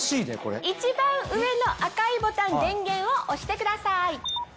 一番上の赤いボタン電源を押してください。